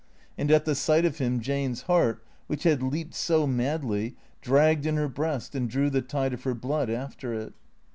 And at the sight of him Jane's heart, which had leaped so madly, dragged in her breast and drew the tide of her blood after it.